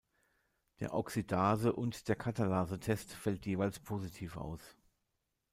Der Oxidase- und der Katalase-Test fällt jeweils positiv aus.